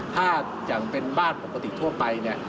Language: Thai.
ถ้าอย่างเป็นบ้านปกติทั่วไปเนี่ย